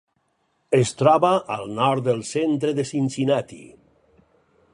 Es troba al nord del centre de Cincinnati.